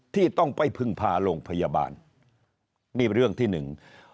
ที่ต้องไปพึ่งพาโรงพยาบาลนี่เรื่องที่หนึ่ง